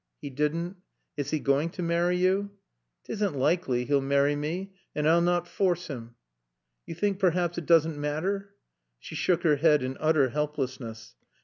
"He didn't? Is he going to marry you?" "'Tisn' likely 'e'll marry mae. An' I'll not force him." "You think, perhaps, it doesn't matter?" She shook her head in utter helplessness.